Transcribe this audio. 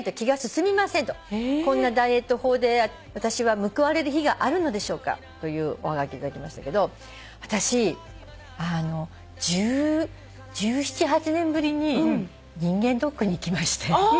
「こんなダイエット法で私は報われる日があるのでしょうか」というおはがき頂きましたけど私１７１８年ぶりに人間ドックに行きまして。